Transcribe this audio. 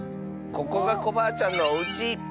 ここがコバアちゃんのおうち！